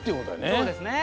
そうですね。